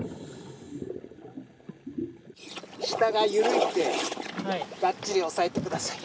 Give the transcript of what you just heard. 下が緩いので、がっちり押さえてください。